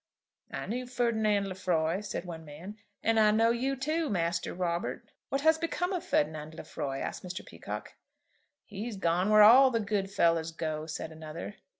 "I knew Ferdinand Lefroy," said one man, "and I know you too, Master Robert." "What has become of Ferdinand Lefroy?" asked Mr. Peacocke. "He's gone where all the good fellows go," said another.